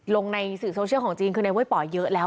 ลงในสื่อโซเชียลของจีนคือในเว้ยป่อเยอะแล้ว